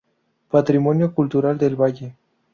Patrimonio cultural del valle.